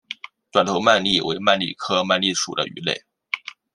短头鳗鲡为鳗鲡科鳗鲡属的鱼类。